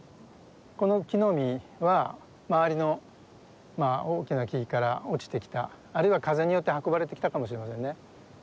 この木の実は周りの大きな木から落ちてきたあるいは風によって運ばれてきたかもしれませんね。